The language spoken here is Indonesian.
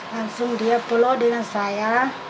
langsung dia peloh dengan saya